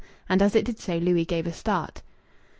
And as it did so Louis gave a start.